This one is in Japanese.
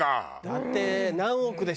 だって何億でしょ？